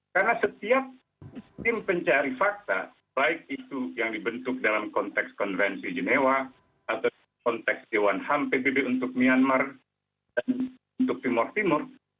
karena setiap tim pencari fakta baik itu yang dibentuk dalam konteks konvensi genewa atau konteks dewan ham pbb untuk myanmar dan untuk timur timur